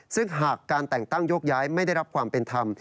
ซึ่งหากการแต่งตั้งโยกย้ายไม่ได้รับความเป็นธรรม